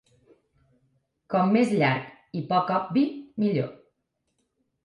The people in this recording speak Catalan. Com més llarg i poc obvi, millor.